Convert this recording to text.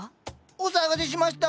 お騒がせしました。